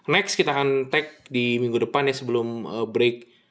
next kita akan tag di minggu depan ya sebelum break